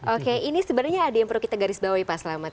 oke ini sebenarnya ada yang perlu kita garis bawahi pak selamat